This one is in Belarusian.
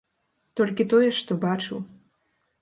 Толькі тое, што бачыў.